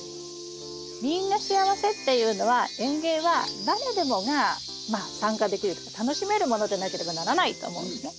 「みんな幸せ」っていうのは園芸は誰でもが参加できる楽しめるものでなければならないと思うんですね。